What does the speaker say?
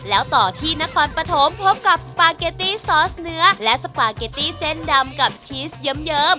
แล้วต่อที่นครปฐมพบกับสปาเกตตี้ซอสเนื้อและสปาเกตตี้เส้นดำกับชีสเยิ้ม